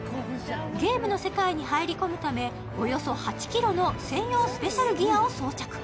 ゲームの世界に入り込むためおよそ８ｋｇの専用スペシャルギアを装着。